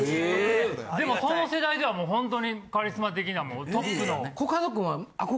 でもその世代ではもうほんとにカリスマ的なトップの。